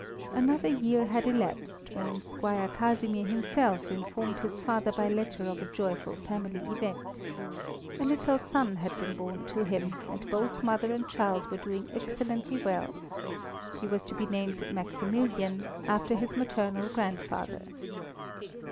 Another year had elapsed, when Squire Casimir himself informed his father by letter of a joyful family event. A little son had been born to him, and both mother and child were doing excellently well. He was to be named Maximilian, after his maternal grandfather.